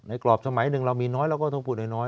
กรอบสมัยหนึ่งเรามีน้อยเราก็ต้องพูดน้อย